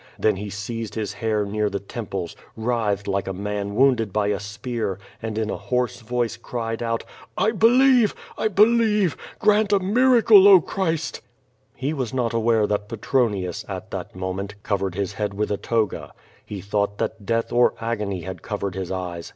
Then he seized his hair near the temples, writhed like a man wounded by a spear, and in a hoarse voice cried out: "I believe! I believe! Grant a miracle, 0 Christ!'* He was not aware that Petronius, at that moment, covered his head with a toga. He thought that death or agony had covered his eyes.